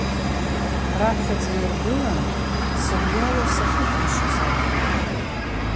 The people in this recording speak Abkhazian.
Раԥхьаӡа иргылан, сгәы иалоу сахьышәымшьыз ауп.